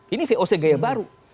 ini voc gaya baru